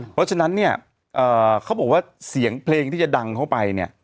เพราะฉะนั้นเนี่ยเขาบอกว่าเสียงเพลงที่จะดังเข้าไปเนี่ย